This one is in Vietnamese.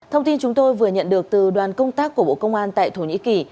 thông tin chúng tôi vừa nhận được từ đoàn công tác của bộ công an tại thổ nhĩ kỳ